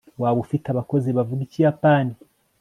waba ufite abakozi bavuga ikiyapani